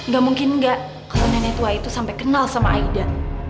gak mungkin nggak kalau nenek tua itu sampai kenal sama aida